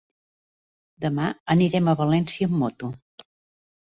Demà anirem a València amb moto.